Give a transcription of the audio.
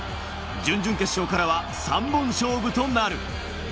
準々決勝からは３本勝負となる。